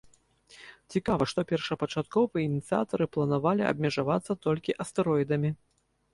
Цікава, што першапачаткова ініцыятары планавалі абмежавацца толькі астэроідамі.